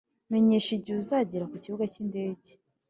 menyesha igihe uzagera kukibuga cyindege.